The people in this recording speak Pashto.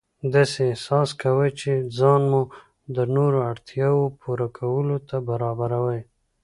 داسې احساس کوئ چې ځان مو د نورو اړتیاوو پوره کولو ته برابروئ.